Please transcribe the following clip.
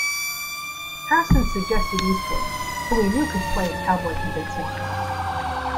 Harrison suggested Eastwood, who he knew could play a cowboy convincingly.